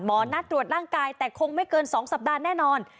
นัดตรวจร่างกายแต่คงไม่เกิน๒สัปดาห์แน่นอน